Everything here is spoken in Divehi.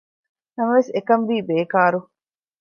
ނަމަވެސް އެކަންވީ ބޭކާރު